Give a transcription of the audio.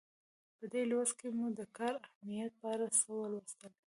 په دې لوست کې مو د کار د اهمیت په اړه څه ولوستل.